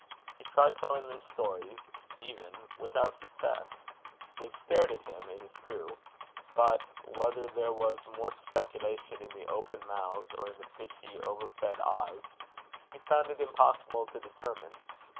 He tried telling them stories even, without success. They stared at him, it is true; but whether there was more speculation in the open mouths, or in the fishy, overfed eyes, he found it impossible to determine.